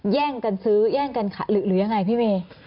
แย่งกันซื้อแย่งกันหรือยังไงพี่เวย์